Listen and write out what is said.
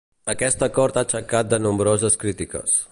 Aquest acord ha aixecat de nombroses crítiques.